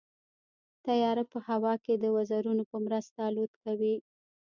طیاره په هوا کې د وزرونو په مرسته الوت کوي.